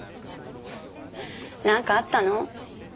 なんかあったの？